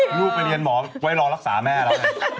ลูกไปเรียนหมอไว้รอรักษาแม่แล้ว